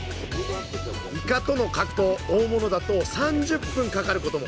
イカとの格闘大物だと３０分かかることも。